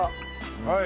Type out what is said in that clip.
はい。